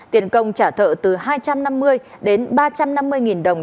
tiền công trả thợ từ hai trăm năm mươi đến ba trăm năm mươi nghìn đồng